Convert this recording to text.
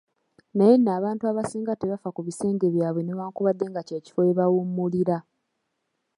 Naye nno abantu abasinga tebafa ku bisenge byabwe newankubadde nga kye kifo we bawummulira.